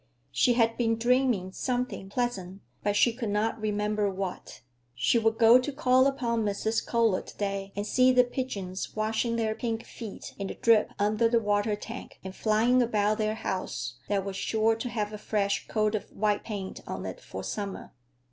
She had been dreaming something pleasant, but she could not remember what. She would go to call upon Mrs. Kohler to day, and see the pigeons washing their pink feet in the drip under the water tank, and flying about their house that was sure to have a fresh coat of white paint on it for summer.